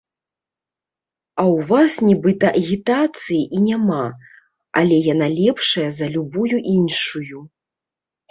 А ў вас нібыта агітацыі і няма, але яна лепшая за любую іншую.